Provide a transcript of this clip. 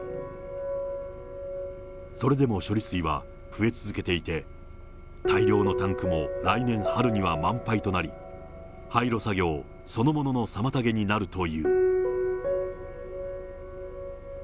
それでも処理水は増え続けていて、大量のタンクも来年春には満杯となり、廃炉作業そのものの妨げになるという。